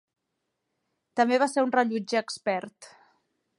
També va ser un rellotger expert.